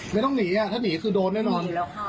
ไม่ต้องหนีถ้าหนีคือโดนแน่นอน